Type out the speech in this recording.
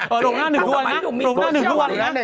เออหลงหน้า๑ทุกวันนะ